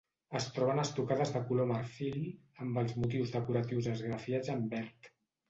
Es troben estucades de color marfil, amb els motius decoratius esgrafiats en verd.